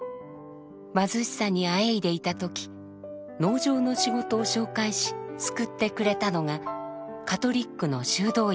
貧しさにあえいでいた時農場の仕事を紹介し救ってくれたのがカトリックの修道院でした。